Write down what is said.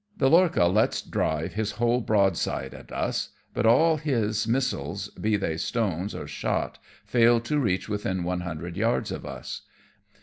The lorcha lets drive his whole broadside at us, but all his missiles, be they stones or shot, fail to reach within one hundred yards of us.